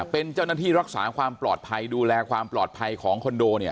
เป็นเจ้าหน้าที่รักษาความปลอดภัยดูแลความปลอดภัยของคอนโดเนี่ย